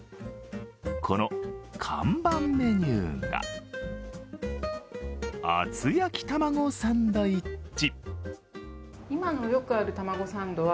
この看板メニューが厚焼き卵サンドイッチ。